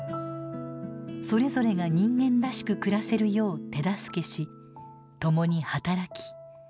それぞれが人間らしく暮らせるよう手助けし共に働き共に笑う。